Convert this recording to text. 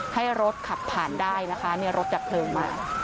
ให้รถขับผ่านได้นะคะรถดับเพลิงมา